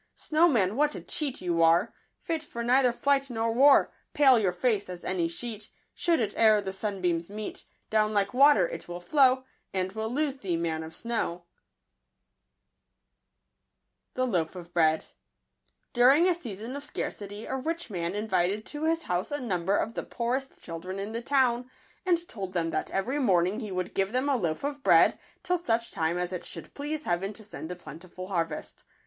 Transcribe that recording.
Snowman, what a cheat you are ; Fit for neither flight nor war ! Pale your face as any sheet : Should it e'er the sunbeams meet, Down like water it will flow, And we'll lose thee, man of snow !£ rr <t fm'rk&t ^ j ®j)e Hoaf of Wxtato. a season of scarcity a rich W|| man invited to his house a number of the poorest children in the town, and told them that every morning he would give them a loaf of bread till such time as it should please Heaven to send a plentiful harvest.